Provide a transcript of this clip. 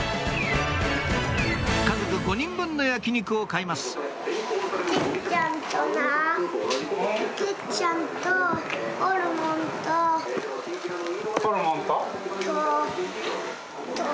家族５人分の焼き肉を買いますホルモンと？と。